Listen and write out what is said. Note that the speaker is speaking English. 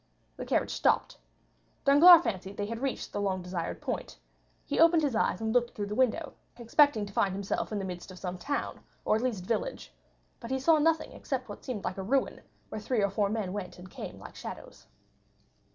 The carriage stopped. Danglars fancied that they had reached the long desired point; he opened his eyes and looked through the window, expecting to find himself in the midst of some town, or at least village; but he saw nothing except what seemed like a ruin, where three or four men went and came like shadows.